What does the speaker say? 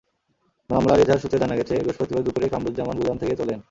মামলার এজাহার সূত্রে জানা গেছে, বৃহস্পতিবার দুপুরে কামরুজ্জামান গুদাম থেকে তোলেন।